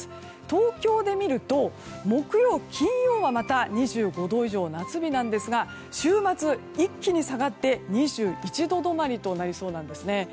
東京で見ると木曜日、金曜日がまた２５度以上の夏日なんですが週末、一気に下がって２１度止まりとなりそうなんです。